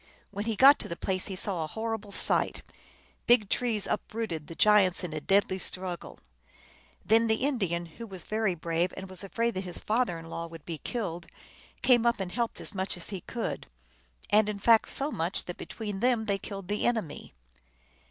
When he got to the place he saw a horrible sight: big trees uprooted, the giants in a deadly struggle. Then the Indian, who was very brave, and who was afraid that his father in law would be killed, came up and helped as much as he could, and in fact so much that between them they killed the enemy.